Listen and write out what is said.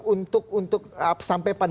untuk sampai pada titik muara ini ya kan